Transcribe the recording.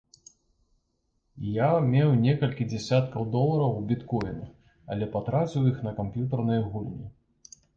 Я меў некалькі дзясяткаў долараў у біткоінах, але патраціў іх на камп'ютарныя гульні.